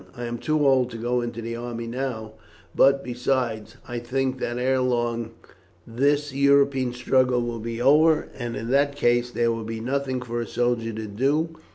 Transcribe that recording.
I am too old to go into our army now, but, besides, I think that ere long this European struggle will be over, and in that case there will be nothing for a soldier to do.